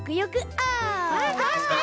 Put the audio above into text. あったしかに！